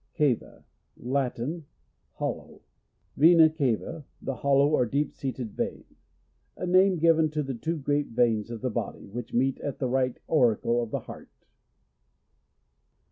Cava. — Latin. Hollow. Vena cava, the hollow or deep seated vein. A name given to the two great veins of the body, which meet at the right auricle of the heart.